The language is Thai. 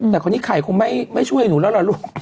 แต่คนนี้ไข่คงไม่ช่วยหนูแล้วล่ะลูก